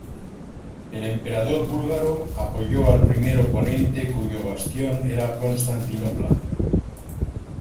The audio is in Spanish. El emperador búlgaro apoyó al primer oponente cuyo bastión era Constantinopla.